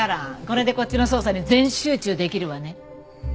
これでこっちの捜査に全集中できるわね。